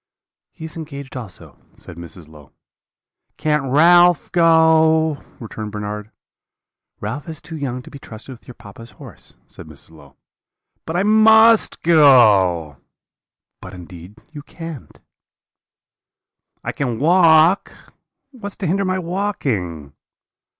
"'He is engaged also,' said Mrs. Low. "'Can't Ralph go?' returned Bernard. "'Ralph is too young to be trusted with your papa's horse,' said Mrs. Low. "'But I must go.' "'But indeed you can't.' "'I can walk. What's to hinder my walking?'